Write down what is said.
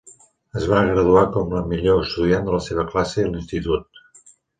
Es va graduar com la millor estudiant de la seva classe de l'institut.